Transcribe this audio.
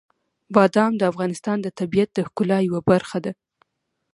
بادام د افغانستان د طبیعت د ښکلا یوه برخه ده.